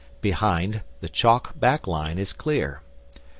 Behind, the chalk back line is clear.